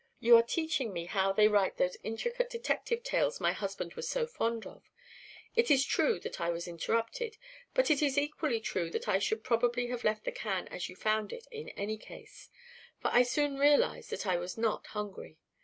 "You are teaching me how they write those intricate detective tales my husband was so fond of. It is true that I was interrupted, but it is equally true that I should probably have left the can as you found it in any case, for I soon realised that I was not hungry.